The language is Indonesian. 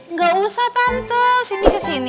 nggak usah tante cindy ke sini